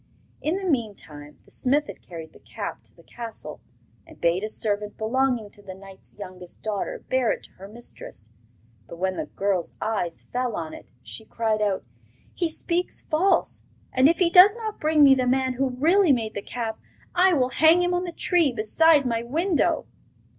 In the meantime the smith had carried the cap to the castle, and bade a servant belonging to the knight's youngest daughter bear it to her mistress. But when the girl's eyes fell on it, she cried out: 'He speaks false; and if he does not bring me the man who really made the cap I will hang him on the tree beside my window.